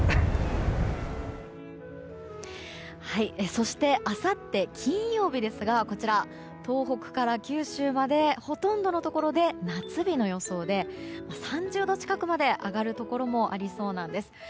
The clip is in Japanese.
そしてあさって金曜日ですが東北から九州までほとんどのところで夏日の予想で、３０度近くまで上がるところもありそうです。